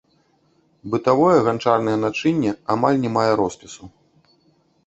Бытавое ганчарнае начынне амаль не мае роспісу.